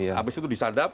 habis itu disadap